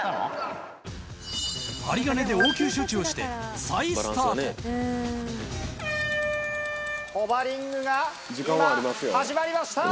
針金で応急処置をして再スタートホバリングが今始まりました。